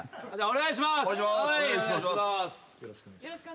お願いします。